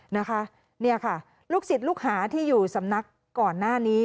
นะคะเนี่ยค่ะลูกศิษย์ลูกหาที่อยู่สำนักก่อนหน้านี้